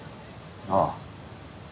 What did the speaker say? ああ。